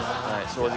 正直。